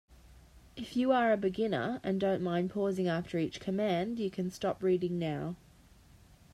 If you are a beginner and don't mind pausing after each command, you can stop reading now.